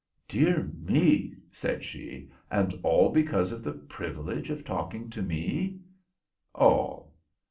"Dear me," said she, "and all because of the privilege of talking to me?" "All."